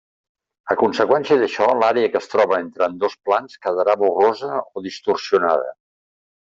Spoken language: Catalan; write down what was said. A conseqüència d'això, l'àrea que es troba entre ambdós plans quedarà borrosa o distorsionada.